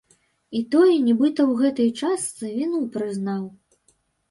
І той нібыта ў гэтай частцы віну прызнаў.